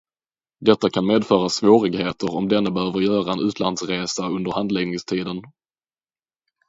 Detta kan medföra svårigheter om denne behöver göra en utlandsresa under handläggningstiden.